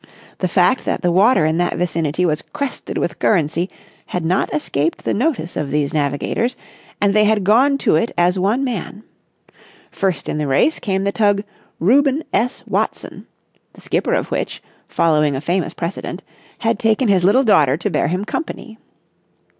The fact that the water in that vicinity was crested with currency had not escaped the notice of these navigators, and they had gone to it as one man. First in the race came the tug "Reuben S. Watson," the skipper of which, following a famous precedent, had taken his little daughter to bear him company.